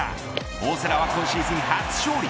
大瀬良は今シーズン初勝利。